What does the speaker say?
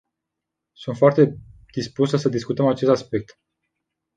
Sunt foarte dispusă să discutăm acest aspect.